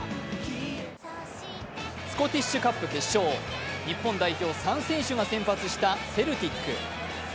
スコティッシュカップ決勝、日本代表３選手が先発したセルティック。